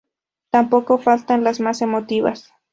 Tampoco faltan las más emotivas